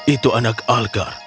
itu anak algar